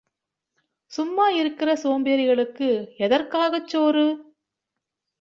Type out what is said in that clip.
சும்மா இருக்கிற சோம்பேறிகளுக்கு எதற்காகச் சோறு?